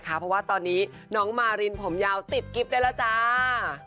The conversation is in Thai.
เพราะว่าตอนนี้น้องมารินผมยาวติดกิ๊บได้แล้วจ้า